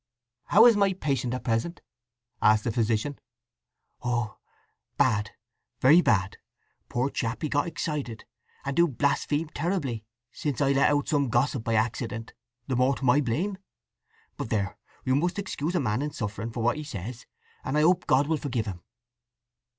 "How is my patient at present?" asked the physician. "Oh bad—very bad! Poor chap, he got excited, and do blaspeam terribly, since I let out some gossip by accident—the more to my blame. But there—you must excuse a man in suffering for what he says, and I hope God will forgive him."